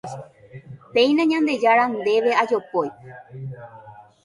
Péina Ñandejára Ndéve ajopói